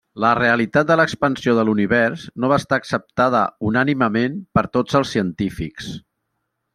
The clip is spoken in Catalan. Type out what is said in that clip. La realitat de l'expansió de l'univers no va estar acceptada unànimement per tots els científics.